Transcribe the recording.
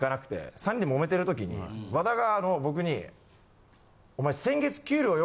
３人で揉めてる時に和田が僕にお前。